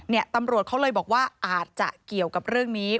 ตำรวจเขาเลยบอกว่าอาจจะเกี่ยวกับเรื่องนี้